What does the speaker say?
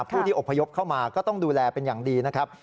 ผู้ที่อบพยพเข้ามาก็ต้องดูแลเป็นอย่างดีนะครับ